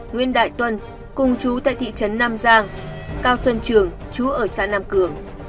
nguyễn đại tuân cùng chú tại thị trấn nam giang cao xuân trường chú ở xã nam cường